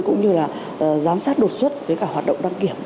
cũng như là giám sát đột xuất với cả hoạt động đăng kiểm